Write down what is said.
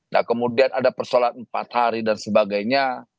nah kemudian ada persoalan empat hari dan sebagainya